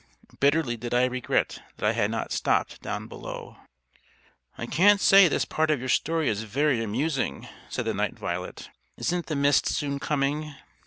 Bitterly did I regret that I had not stopped down below." "I can't say this part of your story is very amusing," said the Night Violet. "Isn't the Mist soon coming?"